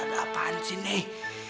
ada apaan sih nih